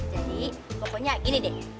jadi pokoknya gini deh